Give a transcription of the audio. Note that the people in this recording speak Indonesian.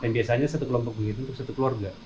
dan biasanya satu kelompok begitu untuk satu keluarga